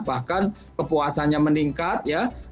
bahkan kepuasannya meningkat ya